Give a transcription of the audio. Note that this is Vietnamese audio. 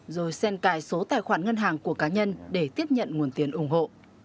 rồi sen cài số tài khoản ngân hàng của cá nhân để tiếp nhận nguồn tiền ủng hộ